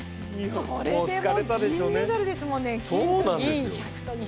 それでも銀メダルですもんね、金と銀。